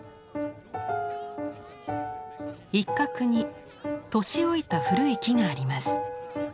一角に年老いた古い木があります。